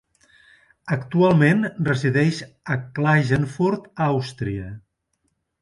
Actualment resideix a Klagenfurt, Àustria.